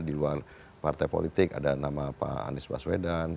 di luar partai politik ada nama pak anies baswedan